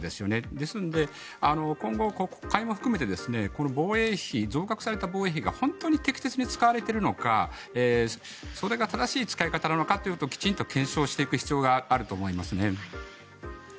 ですので、今後、国会も含めて増額された防衛費が本当に適切に使われているのかそれが正しい使い方なのかをきっちり検証していく必要があると思いますね。